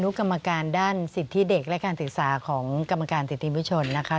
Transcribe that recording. กรรมการด้านสิทธิเด็กและการศึกษาของกรรมการสิทธิมชนนะคะ